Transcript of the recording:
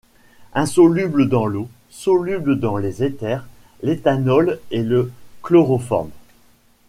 Insoluble dans l'eau, soluble dans les éthers, l'éthanol et le chloroforme.